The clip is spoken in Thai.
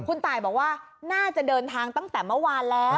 คุณตายบอกว่าน่าจะเดินทางตั้งแต่เมื่อวานแล้ว